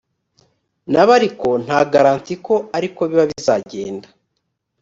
nabo ariko nta garanti ko ari ko biba bizagenda